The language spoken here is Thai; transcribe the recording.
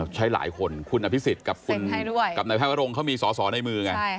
ใช้หลายคนคุณอภิษฎกับนายแพทย์วรงเขามีสอสอในมือไง